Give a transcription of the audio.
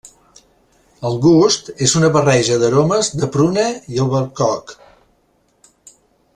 El gust és una barreja d'aromes de pruna i albercoc.